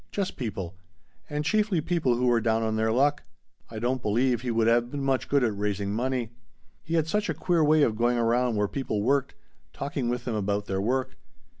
Just people. And chiefly people who were down on their luck. I don't believe he would have been much good at raising money. He had such a queer way of going around where people worked, talking with them about their work.